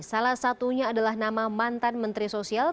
salah satunya adalah nama mantan menteri sosial